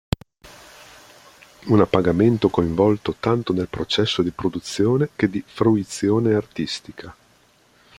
Un appagamento coinvolto tanto nel processo di produzione che di fruizione artistica.